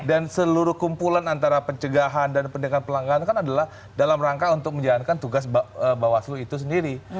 dan seluruh kumpulan antara pencegahan dan pendidikan pelanggaran kan adalah dalam rangka untuk menjalankan tugas bawaslu itu sendiri